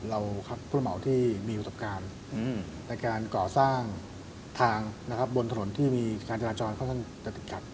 ครับผู้เหมาที่มีประสบการณ์ในการก่อสร้างทางนะครับบนถนนที่มีการจราจรค่อนข้างจะติดขัด